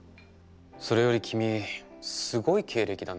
それより君すごい経歴だね。